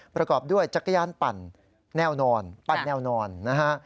ประกอบด้วยจักรยานปั่นแนวนอนปั่นแนวนอนนะฮะ